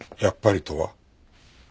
「やっぱり」とは？